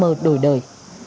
giấc mơ đổi đời